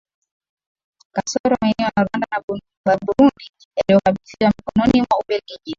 kasoro maeneo ya Rwanda na Burundi yaliyokabidhiwa mikononi mwa Ubelgiji